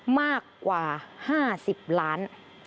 มากกว่า๕๐ล้าน๒๐๐๐๐